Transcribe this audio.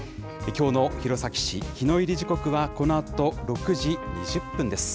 きょうの弘前市、日の入り時刻はこのあと６時２０分です。